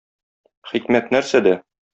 Хикмәт нәрсәдә?